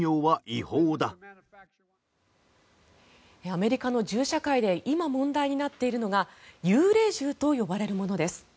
アメリカの銃社会で今、問題になっているのが幽霊銃と呼ばれるものです。